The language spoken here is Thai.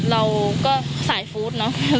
เราก็สายฟู้ดเนอะ